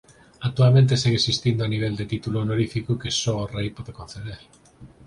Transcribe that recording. Actualmente segue existindo a nivel de título honorífico que só o rei pode conceder.